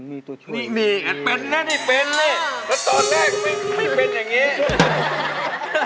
มีตัวช่วยนี่มีอันเป็นนะนี่เป็นนี่แล้วตอนแรกไม่เป็นอย่างนี้